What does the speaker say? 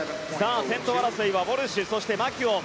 先頭争いはウォルシュそして、マキュオン。